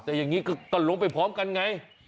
แต่อย่างนี้ก็ลงไปพร้อมกันไง